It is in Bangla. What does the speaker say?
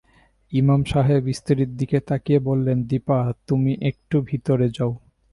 ইমাম সাহেব স্ত্রীর দিকে তাকিয়ে বললেন- দিপা, তুমি একটু ভিতরে যাও।